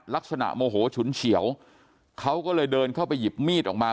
ลักษณะโมโหฉุนเฉียวเขาก็เลยเดินเข้าไปหยิบมีดออกมา